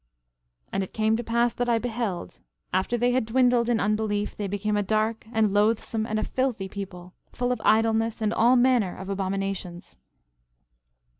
12:23 And it came to pass that I beheld, after they had dwindled in unbelief they became a dark, and loathsome, and a filthy people, full of idleness and all manner of abominations.